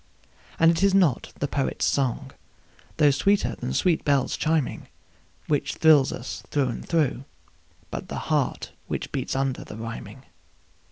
And it is not the poet's song, though sweeter than sweet bells chiming, Which thrills us through and through, but the heart which beats under the rhyming.